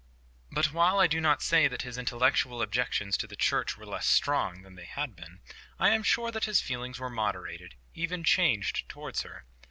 But while I do not say that his intellectual objections to the Church were less strong than they had been, I am sure that his feelings were moderated, even changed towards her.